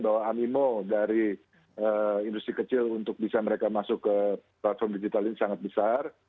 bahwa animo dari industri kecil untuk bisa mereka masuk ke platform digital ini sangat besar